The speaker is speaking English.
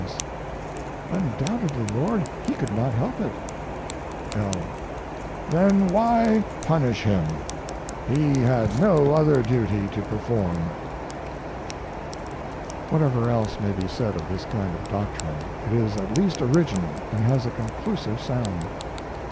S. Undoubtedly, Lord. He could not help it. L. Then why punish him? He had no other duty to perform. Whatever else may be said of this kind of doctrine, it is at least original and has a conclusive sound.